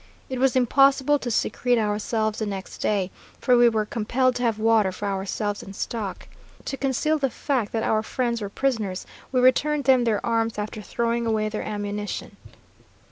It was impossible to secrete ourselves the next day, for we were compelled to have water for ourselves and stock. To conceal the fact that our friends were prisoners, we returned them their arms after throwing away their ammunition.